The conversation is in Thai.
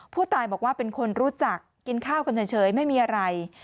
ผู้ตายบอกว่าเป็นคนรู้จักกินข้าวกันเฉยไม่มีอะไร